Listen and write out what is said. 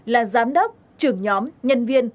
là giám đốc trưởng nhóm nhân viên